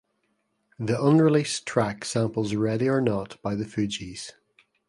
The unreleased track samples "Ready or Not" by the Fugees.